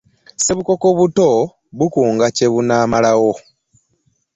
Ssebukoko buto bukunga kyebunamalawo.